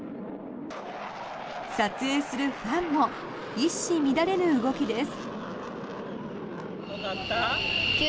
撮影するファンも一糸乱れぬ動きです。